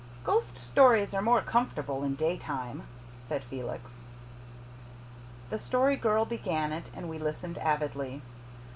"Ghost stories are more comfortable in daytime," said Felix. The Story Girl began it and we listened avidly.